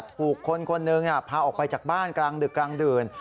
ถูกคนคนหนึ่งพาออกไปจากบ้านกลางดึกกลางดื่น